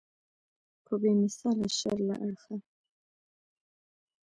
په بې مثاله شر له اړخه.